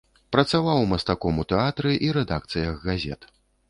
Працаваў мастаком у тэатры і рэдакцыях газет.